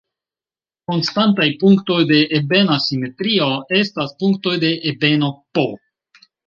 Konstantaj punktoj de ebena simetrio estas punktoj de ebeno "P".